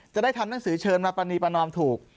จะได้ทำหนังสือเชิญมาปรณีประนอมถูก